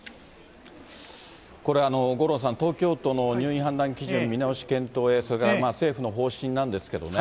これ、五郎さん、東京都の入院判断基準見直し検討へ、それから政府の方針なんですけどね。